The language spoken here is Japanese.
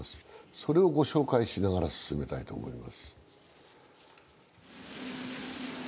それをご紹介しながら進めたいと思います。